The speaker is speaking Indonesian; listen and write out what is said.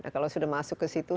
kalau sudah masuk ke situ